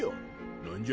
何じゃ？